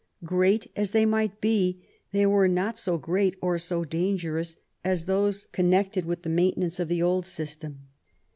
Great as they might be, they were not so great or so dangerous as those connected with the maintenance of the old system.